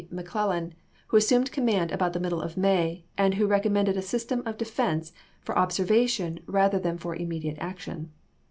McClellan, who assumed command about the middle of May, and who recommended a system of defense, for observation rather than for immediate action.